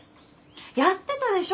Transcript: やってたでしょ？